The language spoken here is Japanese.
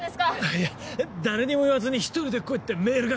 いや「誰にも言わずに１人で来い」ってメールが。